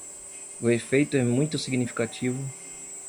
O efeito é muito significativo